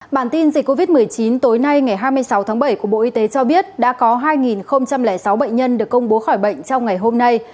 bản tin dịch covid một mươi chín tối nay ngày hai mươi sáu tháng bảy của bộ y tế cho biết đã có hai sáu bệnh nhân được công bố khỏi bệnh trong ngày hôm nay